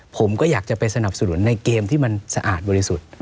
ผมก็อยากจะไปสนับสนุนในเกมที่มันสะอาดบริสุทธิ์